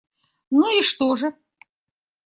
Ну и что же?